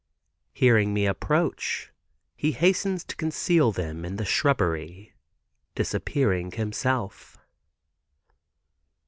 Hearing me approach, he hastens to conceal them in the shrubbery, disappearing himself.